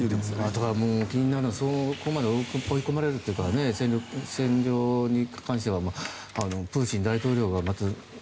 ただ、気になるのはそこまで追い込まれるというか占領に関してはプーチン大統領が。